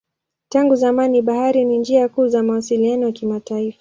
Tangu zamani bahari ni njia kuu za mawasiliano ya kimataifa.